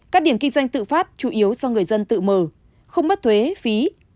các điểm kinh doanh tự phát chủ yếu do người dân tự mở không mất thuế phí